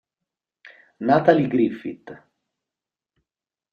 Natalie Griffith